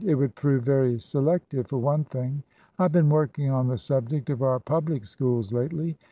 It would prove very selective for one thing. I've been working on the subject of our public schools lately.